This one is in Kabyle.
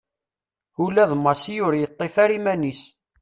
Ula d Massi ur yeṭṭif ara iman-is.